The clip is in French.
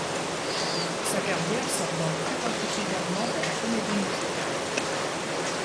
Sa carrière s'oriente plus particulièrement vers la comédie musicale.